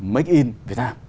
make in về ta